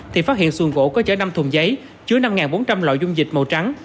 thì phát hiện xuồng gỗ có chở năm thùng giấy chứa năm bốn trăm linh loại dung dịch màu trắng